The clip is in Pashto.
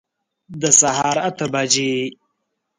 د سهار اته بجي